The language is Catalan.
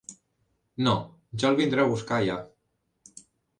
No, ja el vindré a buscar allà.